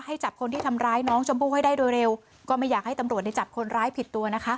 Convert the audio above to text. จับคนที่ทำร้ายน้องชมพู่ให้ได้โดยเร็วก็ไม่อยากให้ตำรวจในจับคนร้ายผิดตัวนะคะ